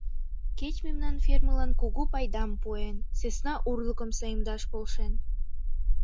Кеч мемнан фермылан кугу пайдам пуэн: сӧсна урлыкым саемдаш полшен.